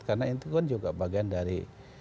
karena itu kan juga bagian dari